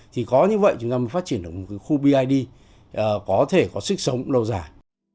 thì có như vậy chúng ta mới phát triển được một khu bid có thể có sức sống lâu dài